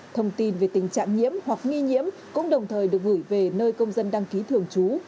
thông tin về tình trạng nhiễm hoặc nghi nhiễm cũng đồng thời được gửi về nơi công dân đăng ký thường trú